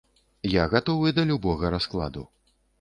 Я гатовы да любога раскладу.